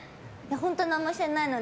本当に何もしてないので。